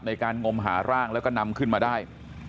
งมหาร่างแล้วก็นำขึ้นมาได้